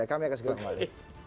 kami akan segera kembali